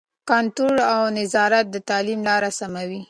کنټرول او نظارت د تعلیم لاره سموي.